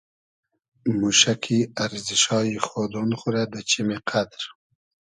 موشۂ کی ارزیشایی خودۉن خو رۂ دۂ چیمی قئدر